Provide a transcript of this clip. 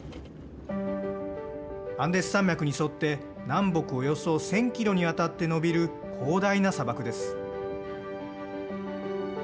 アンデス山脈に沿って南北およそ１０００キロにわたって伸びる広大な砂漠です。